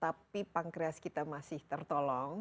tapi pankreas kita masih tertolong